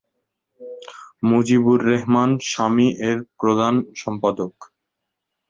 মুজিব-উর-রেহমান স্বামী এর প্রধান সম্পাদক।